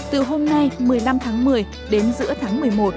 từ hôm nay một mươi năm tháng một mươi đến giữa tháng một mươi một